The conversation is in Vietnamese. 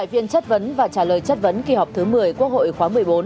phiên chất vấn và trả lời chất vấn kỳ họp thứ một mươi quốc hội khóa một mươi bốn